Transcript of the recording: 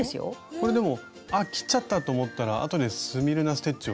これでもあっ切っちゃったと思ったらあとでスミルナ・ステッチを足したり。